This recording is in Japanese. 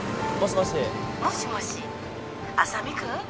☎もしもし浅見君？